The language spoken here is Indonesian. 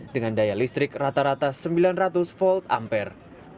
dengan daya listrik rata rata sembilan ratus volt ampere